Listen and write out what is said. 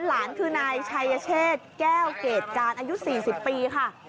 หลานคือนายชัยเชษแก้วเกรดการอายุ๔๐ปีค่ะ